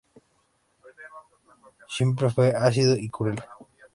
Siempre fue ácido y cruel.